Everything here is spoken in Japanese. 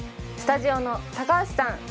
スタジオの高橋さん